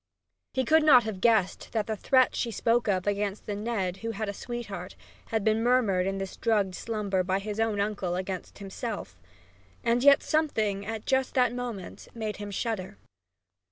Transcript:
He could not have guessed that the threats she spoke of against the Ned who had a sweetheart had been murmured in his drugged slumber by his own uncle against himself. And yet something at just that moment made him shudder.